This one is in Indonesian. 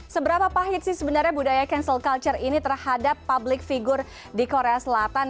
seberapa pahit sih sebenarnya budaya cancel culture ini terhadap public figure di korea selatan